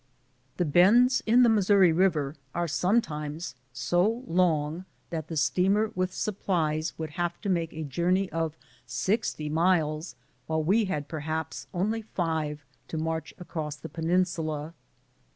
The bends in the Missouri River are sometimes so long that the steamer with supplies would have to make a journey of sixty miles while we had perhaps only five to march across the peninsula.